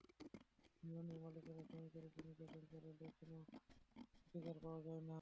ইমারতের মালিকেরা শ্রমিকদের ওপর নির্যাতন চালালেও কোনো প্রতিকার পাওয়া যায় না।